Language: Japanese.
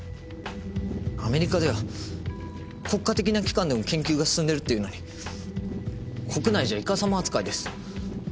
アメリカでは国家的な機関でも研究が進んでいるっていうのに国内じゃいかさま扱いです。